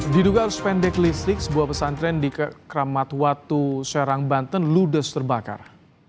diduga arus pendek listrik sebuah pesantren di kramat watu serang banten ludes terbakar